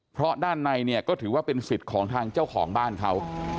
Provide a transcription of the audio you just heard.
เพราะด้านในเนี่ยก็ถือว่าเป็นสิทธิ์ของทางเจ้าของบ้านเขา